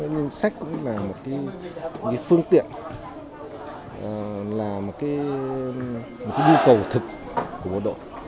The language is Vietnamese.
nhưng sách cũng là một cái phương tiện là một cái nhu cầu thực của bộ đội